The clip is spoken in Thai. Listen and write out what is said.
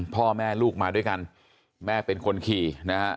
พ่อแม่ลูกมาด้วยกันแม่เป็นคนขี่นะฮะ